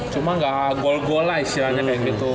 cuma nggak gol gol lah istilahnya kayak gitu